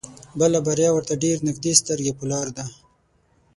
بله بريا ورته ډېر نيږدې سترګې په لار ده.